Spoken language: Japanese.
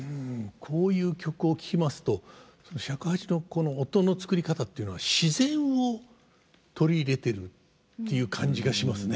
こういう曲を聴きますと尺八の音の作り方っていうのは自然を取り入れてるっていう感じがしますね。